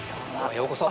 ようこそ。